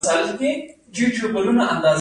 د پښتني فوکلور ځینې خواخوږي او منتقدین.